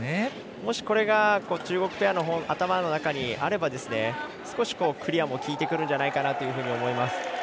もしこれが中国ペアの頭の中にあれば少しクリアも効いてくるんじゃないかと思います。